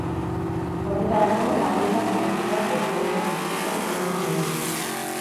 Horretarako, laguntza zerbitzuak eskainiko dizkiete emakumeei.